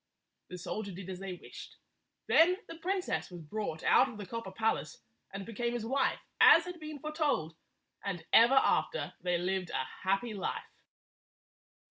The soldier did as they wished. Then the princess was brought out of the copper palace and became his wife, as had been foretold, and ever after they lived a happy life.